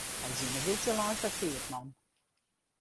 Hy is yn 'e widze lein foar keapman.